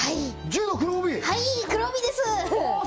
はい黒帯ですああ